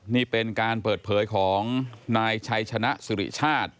นี่เป็นการเปิดเผยของนายชัยชนะสุริชาติ